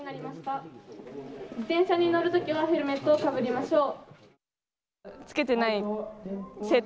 自転車に乗るときはヘルメットをかぶりましょう。